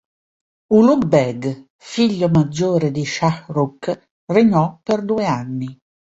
Ulugh Beg, figlio maggiore di Shah Rukh, regnò per due anni.